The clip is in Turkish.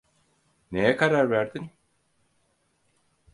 Neye karar verdin?